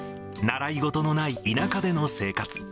習い事のない田舎での生活。